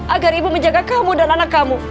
agar ibu menjaga kamu dan anak kamu